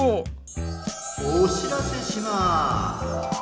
・おしらせします。